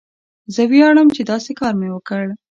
زه ویاړم چې داسې کار مې وکړ.